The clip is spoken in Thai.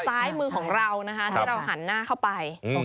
ซ้ายมือของเรานะคะที่เราหันหน้าเข้าไป